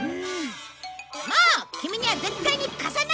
もうキミには絶対に貸さない！